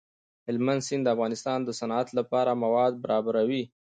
هلمند سیند د افغانستان د صنعت لپاره مواد برابروي.